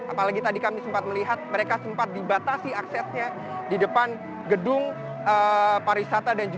apalagi tadi kami sempat melihat mereka sempat dibatasi aksesnya di depan gedung pariwisata